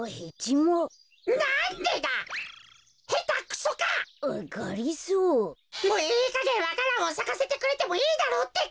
もういいかげんわか蘭をさかせてくれてもいいだろうってか。